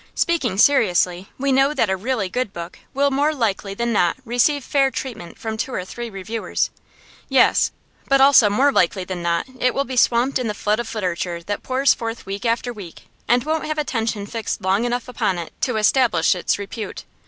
Speaking seriously, we know that a really good book will more likely than not receive fair treatment from two or three reviewers; yes, but also more likely than not it will be swamped in the flood of literature that pours forth week after week, and won't have attention fixed long enough upon it to establish its repute.